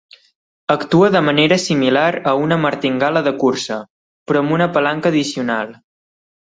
Actua de manera similar a una martingala de cursa, però amb una palanca addicional.